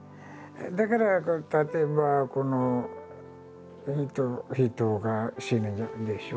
だから例えば人が死ぬでしょ。